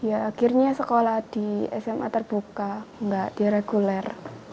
akhirnya sekolah di sma terbuka nggak di reguler